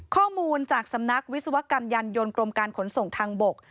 ข้อมูลจากสำนักวิศวกรรมยันยนต์กรมการขนส่งทางบก